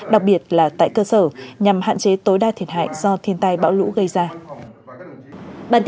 đặc biệt là tại cơ sở nhằm hạn chế tối đa thiệt hại do thiên tai bão lũ gây ra